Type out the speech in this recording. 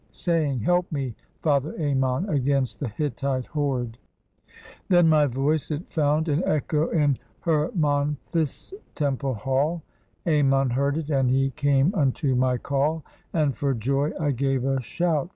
Saying, 'Help me, father Ammon, against the Hittite horde.'" Then my voice it found an echo in Hermonthis' temple hall, Ammon heard it, and he came unto my call ; And for joy I gave a shout.